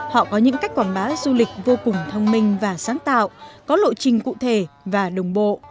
họ có những cách quảng bá du lịch vô cùng thông minh và sáng tạo có lộ trình cụ thể và đồng bộ